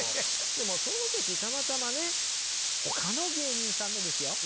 でもその時たまたまねほかの芸人さんのですよ